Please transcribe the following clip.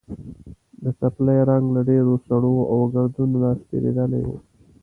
د څپلیو رنګ له ډېرو سړو او ګردونو نه سپېرېدلی و.